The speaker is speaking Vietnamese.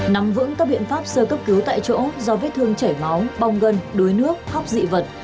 nắm vững các biện pháp sơ cấp cứu tại chỗ do vết thương chảy máu bong gân đuối nước khóc dị vật